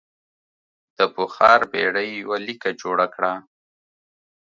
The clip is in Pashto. د بخار بېړۍ یوه لیکه جوړه کړه.